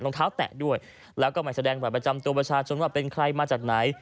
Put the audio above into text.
รองเท้าแตะด้วยแล้วก็ไม่แสดงบัตรประจำตัวประชาชนว่าเป็นใครมาจากไหน